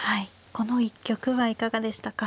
この一局はいかがでしたか。